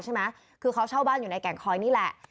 พี่หนูหิวข้าว